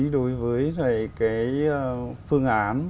đối với cái phương án